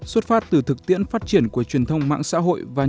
sốt phát từ thực tiễn phát triển của truyền thông mạng xã hội và nhân dân